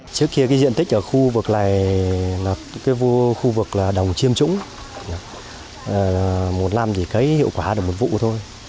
trước khi diện tích ở khu vực này là đồng chiêm trũng một năm chỉ cấy hiệu quả được một vụ thôi